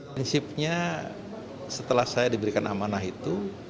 prinsipnya setelah saya diberikan amanah itu